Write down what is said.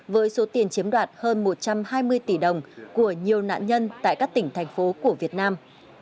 với số tiền chiếm đoạt hơn một trăm hai mươi tỷ đồng của nhiều nạn nhân tại các tỉnh thành phố của việt nam